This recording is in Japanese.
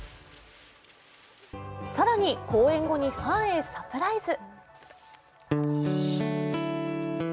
更に、公演後にファンへサプライズ。